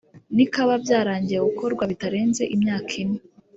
nikaba byarangiye gukorwa bitarenze imyaka ine